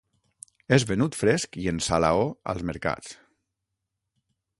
És venut fresc i en salaó als mercats.